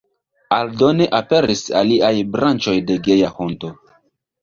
Aldone aperis aliaj branĉoj de Geja Honto.